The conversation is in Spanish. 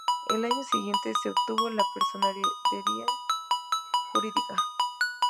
Al año siguiente se obtuvo la personería jurídica.